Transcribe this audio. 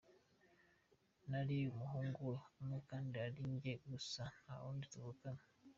Nari umuhungu we umwe kandi arijye gusa nta wundi tuvukana.